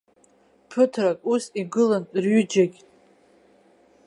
Ԥыҭрак ус игылан рҩыџьагь.